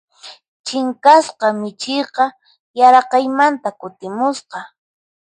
Chinkasqa michiyqa yaraqaymanta kutimusqa.